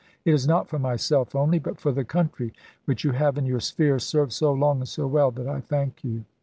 It is not for myself only, but for the country which you have in ^hmSs!0 your sphere served so long and so well, that I 1864. ' thank you."